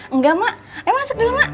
enggak emak ayo masuk dulu emak